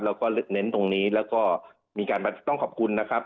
แล้วก็เน้นตรงนี้แล้วก็มีการมาต้องขอบคุณนะครับ